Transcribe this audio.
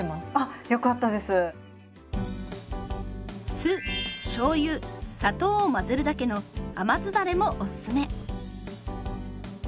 酢しょうゆ砂糖を混ぜるだけの「甘酢だれ」もおすすめ。